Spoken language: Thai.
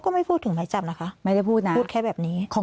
ไม่พูดถึงไม้จับนะคะไม่ได้พูดนะพูดแค่แบบนี้